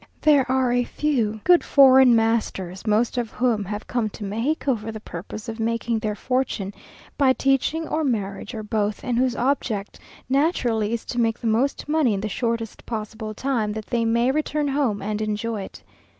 There are a few good foreign masters, most of whom have come to Mexico for the purpose of making their fortune, by teaching, or marriage, or both, and whose object, naturally, is to make the most money in the shortest possible time, that they may return home and enjoy it.